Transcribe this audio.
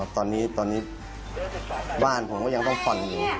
ตอนนี้บ้านผมก็ยังต้องผ่อนอยู่